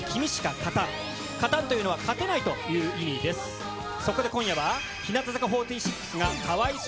勝たんというのは、勝てないという意味です。